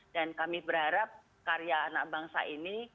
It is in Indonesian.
dan kami berharap karya anak bangsa ini